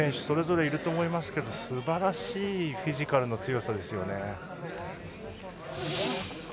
それぞれいると思いますがすばらしいフィジカルの強さです。